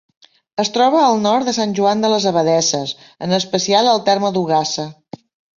Es troba al nord de Sant Joan de les Abadesses, en especial al terme d'Ogassa.